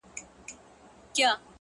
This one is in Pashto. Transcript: د هر يزيد زړه کي ايله لکه لړم ښه گراني;